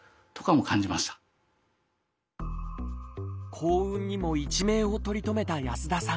幸運にも一命を取り留めた安田さん。